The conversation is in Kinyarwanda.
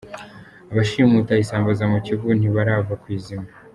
Abashimuta isambaza mu Kivu ntibarava ku izima